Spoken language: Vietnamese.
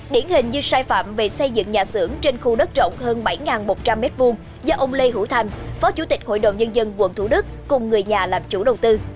điển hình như sai phạm về xây dựng nhà xưởng trên khu đất rộng hơn bảy một trăm linh m hai do ông lê hữu thành phó chủ tịch hội đồng nhân dân quận thủ đức cùng người nhà làm chủ đầu tư